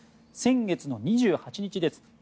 先月の２８日です。